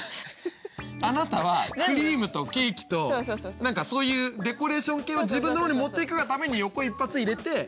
あなたはクリームとケーキと何かそういうデコレーション系は自分の方に持っていくがために横一発入れて。